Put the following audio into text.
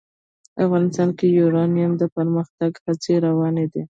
افغانستان کې د یورانیم د پرمختګ هڅې روانې دي.